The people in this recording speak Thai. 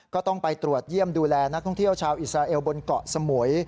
ก็ต้องไปตรวจเยี่ยมดูแลนักท่องเที่ยวชาวอิสราเอลบนเกาะสมุย